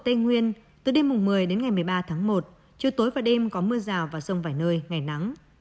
từ đêm một mươi một mươi ba một chiều tối và đêm có mưa rào và rồng vài nơi ngày nắng